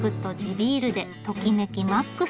ビールでときめきマックス！